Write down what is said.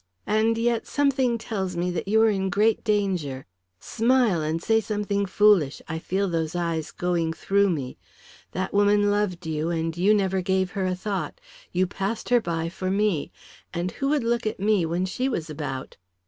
And yet something tells me that you are in great danger. Smile and say something foolish I feel those eyes going through me. That woman loved you, and you never gave her a thought. You passed her by for me. And who would look at me when she was about?"